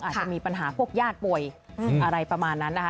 อาจจะมีปัญหาพวกญาติป่วยอะไรประมาณนั้นนะคะ